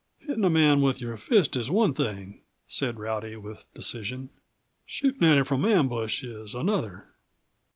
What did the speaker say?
"Hitting a man with your fist is one thing," said Rowdy with decision. "Shooting at him from ambush is another."